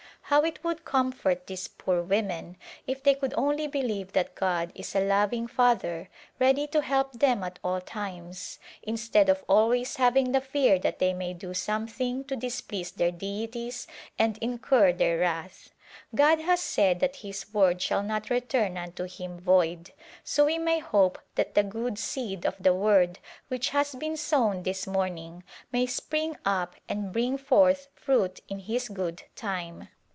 How it would comfort these poor women if they could only believe that God is a loving Father ready to help them at all times instead of always hav ing the fear that they may do something to displease their deities and incur their wrath. God has said that His Word shall not return unto Him void, so we may hope that the good seed of the Word which has been sown this morning may spring up and bring forth fruit in His good time.